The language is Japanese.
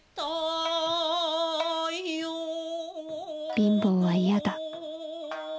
「貧乏は嫌だ。